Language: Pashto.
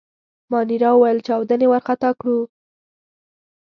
مانیرا وویل: چاودنې وارخطا کړو.